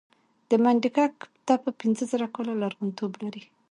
د منډیګک تپه پنځه زره کاله لرغونتوب لري